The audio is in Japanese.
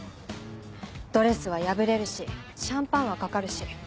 ドレスは破れるしシャンパンはかかるし。